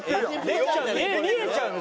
見えちゃうの。